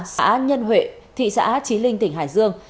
xã nhân huệ thị xã trí linh tỉnh hải dương